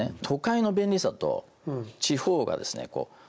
都会の便利さと地方がですね